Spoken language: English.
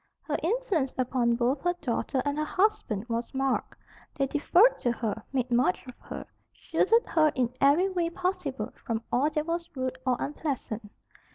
Her influence upon both her daughter and her husband was marked. They deferred to her, made much of her, shielded her in every way possible from all that was rude or unpleasant.